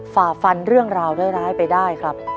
ฝ่าฟันเรื่องราวร้ายไปได้ครับ